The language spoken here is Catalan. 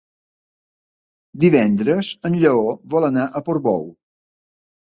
Divendres en Lleó vol anar a Portbou.